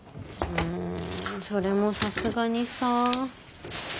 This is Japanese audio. うんそれもさすがにさ。